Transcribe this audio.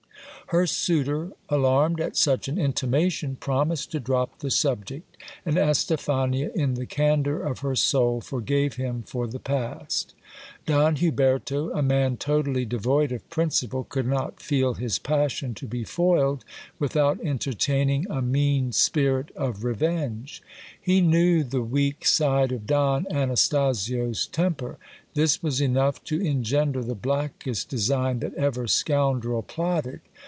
Her suitor, alarmed at such an intimation, promised to drop the subject ; and Estephania in the candour of her soul forgave him for the past. Don Huberto, a man totally devoid of principle, could not feel his passion to be foiled, without entertaining a mean spirit of revenge. He knew the weak f ide of Don Anastasio's temper. This was enough to engender the blackest de c ign that ever scoundrel plotted.